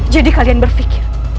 jadi kalian berpikir